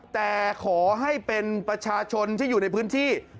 แต่ขอให้เป็นประชาชนที่อยู่ในพื้นที่